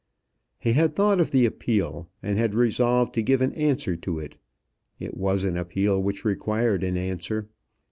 He had thought of the appeal, and had resolved to give an answer to it. It was an appeal which required an answer.